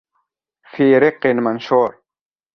في رق منشور